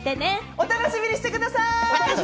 お楽しみにしてください！